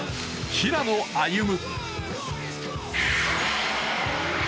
平野歩夢。